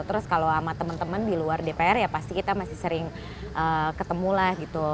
terus kalau sama teman teman di luar dpr ya pasti kita masih sering ketemu lah gitu